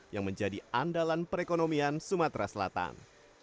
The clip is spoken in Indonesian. yang menjadi andalan perekonomian sumatera selatan